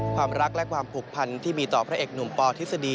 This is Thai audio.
ความรักและความผูกพันที่มีต่อพระเอกหนุ่มปทฤษฎี